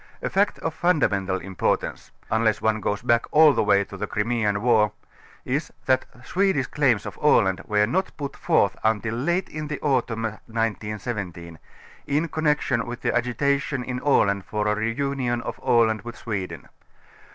A fact of fundamental importance ŌĆö unless one goes back all the way to the Crimean \\'ar ŌĆö is, that Swedish claims of Aland were not put forth until late in the autumn 1917, in connection with the agitation in Aland for a r├® union of Aland with Sweden.